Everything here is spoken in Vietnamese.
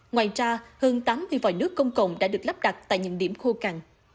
ngoài ra hơn tám mươi vòi nước công cộng đã được lắp đặt tại những điểm khô cằn